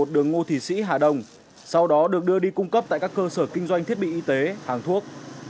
đường ngô thị sĩ hà đông sau đó được đưa đi cung cấp tại các cơ sở kinh doanh thiết bị y tế hàng thuốc